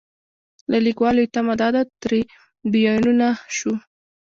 له لیکوالو یې تمه دا ده تریبیونونه شو.